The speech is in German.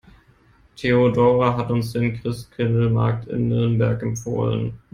Theodora hat uns den Christkindlesmarkt in Nürnberg empfohlen.